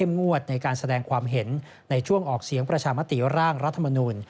งวดในการแสดงความเห็นในช่วงออกเสียงประชามติร่างรัฐมนูล